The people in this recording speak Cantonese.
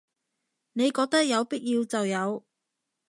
你覺得有必要就有